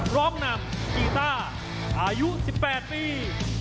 ร้องนำกีต้าอายุ๑๘ปี